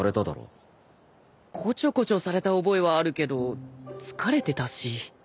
こちょこちょされた覚えはあるけど疲れてたし。